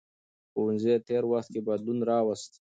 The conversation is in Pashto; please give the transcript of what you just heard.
ښوونځي تېر وخت کې بدلون راوست.